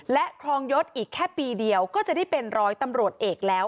และครองยศอีกแค่ปีเดียวก็จะได้เป็นร้อยตำรวจเอกแล้ว